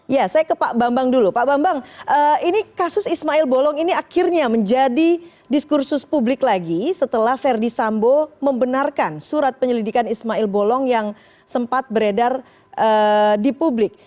ya saya ke pak bambang dulu pak bambang ini kasus ismail bolong ini akhirnya menjadi diskursus publik lagi setelah verdi sambo membenarkan surat penyelidikan ismail bolong yang sempat beredar di publik